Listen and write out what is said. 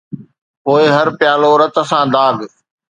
پوءِ هر پيالو رت سان داغ